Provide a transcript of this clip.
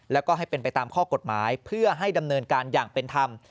แล้วก็ให้เป็นไปตามข้อกฎหมายเพื่อให้ดำเนินการอย่างเป็นธรรม